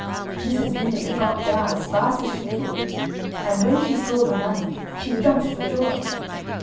Mrs. Vinegar got down as fast as she could, and when she saw the money she jumped for joy.